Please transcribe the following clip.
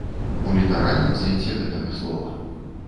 У літаральным сэнсе гэтага слова.